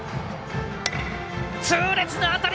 痛烈な当たり！